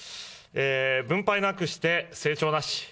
分配なくして成長なし。